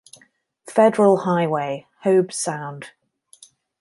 Federal Highway, Hobe Sound.